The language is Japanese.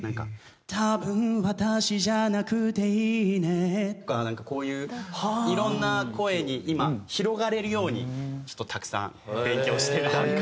「多分、私じゃなくていいね」とかなんかこういういろんな声に今広がれるようにたくさん勉強してる段階。